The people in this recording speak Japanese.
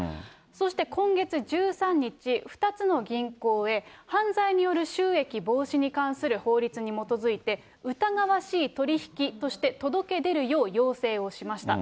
そして今月１３日、２つの銀行へ犯罪による収益防止に関する法律に基づいて、疑わしい取引として届け出るよう要請をしました。